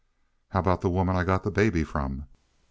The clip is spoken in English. "How about the woman I got the baby from?"